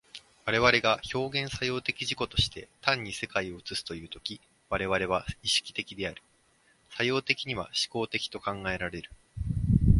我々が表現作用的自己として単に世界を映すという時、我々は意識的である、作用的には志向的と考えられる。